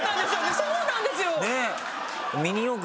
そうなんですよ！